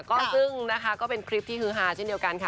ก็ซึ่งนะคะก็เป็นคลิปที่ฮือฮาเช่นเดียวกันค่ะ